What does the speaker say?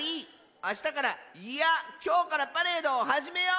あしたからいやきょうからパレードをはじめよう！